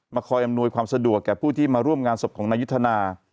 คอยอำนวยความสะดวกแก่ผู้ที่มาร่วมงานศพของนายุทธนา